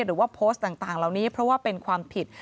หรือว่าโพสต์ต่างเหล่านี้เพราะว่าเป็นความผิด